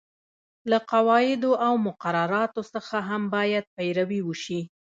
له قواعدو او مقرراتو څخه هم باید پیروي وشي.